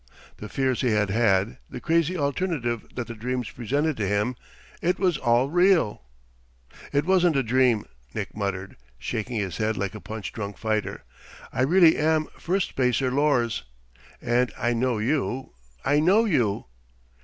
The fears he had had, the crazy alternative that the dreams presented to him ... it was all real. "It wasn't a dream," Nick muttered, shaking his head like a punch drunk fighter. "I really am Firstspacer Lors! And I know you! I know you!"